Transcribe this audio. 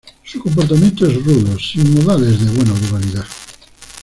Su comportamiento es rudo, sin modales de buena urbanidad.